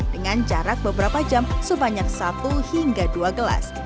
dengan jarak beberapa jam sebanyak satu hingga dua gelas